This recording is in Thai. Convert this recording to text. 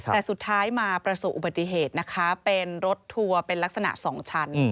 แต่สุดท้ายมาประสบอุบัติเหตุนะคะเป็นรถทัวร์เป็นลักษณะ๒ชั้น